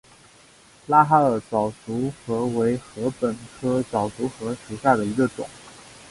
拉哈尔早熟禾为禾本科早熟禾属下的一个种。